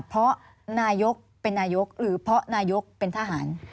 เพราะนายกเป็นนายกหรือเพราะนายกเป็นทหาร